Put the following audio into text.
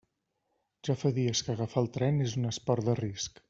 Ja fa dies que agafar el tren és un esport de risc.